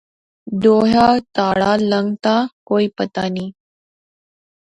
دوہا تہاڑا لنگتھا کوئی پتہ نیں